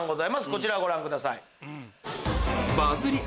こちらご覧ください。